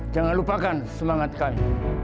jangan lupakan semangat kami